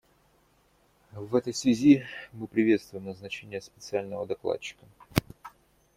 В этой связи мы приветствуем назначение специального докладчика.